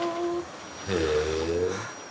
へえ。